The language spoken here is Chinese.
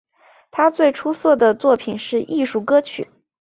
他最出色的作品是艺术歌曲。